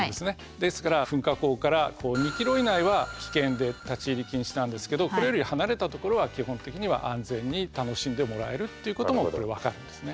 ですから噴火口から２ｋｍ以内は危険で立ち入り禁止なんですけどこれより離れた所は基本的には安全に楽しんでもらえるっていうことも分かるんですね。